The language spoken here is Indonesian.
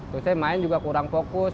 terus saya main juga kurang fokus